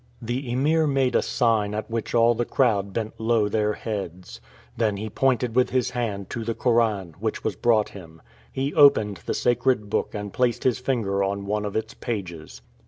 The Emir made a sign at which all the crowd bent low their heads. Then he pointed with his hand to the Koran, which was brought him. He opened the sacred book and placed his finger on one of its pages.